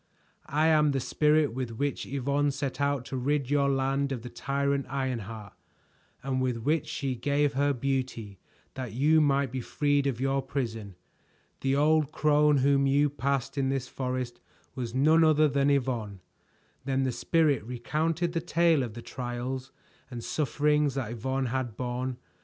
"I am the Spirit with which Yvonne set out to rid your land of the tyrant Ironheart, and with which she gave her beauty that you might be freed of your prison. The old crone whom you passed in this forest was none other than Yvonne." Then the Spirit recounted the tale of the trials and sufferings that Yvonne had borne.